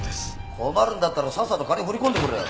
困るんだったらさっさと金振り込んでくれよ。